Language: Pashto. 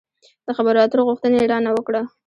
د خبرو اترو غوښتنه يې را نه وکړه.